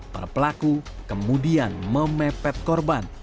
para pelaku kemudian memepet korban